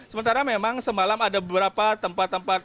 sementara memang semalam ada beberapa tempat tempat